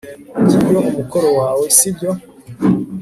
ngiyo umukono wawe, sibyo